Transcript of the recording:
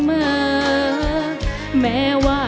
เพลงแรกของเจ้าเอ๋ง